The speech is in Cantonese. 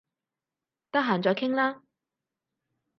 得閒再傾啦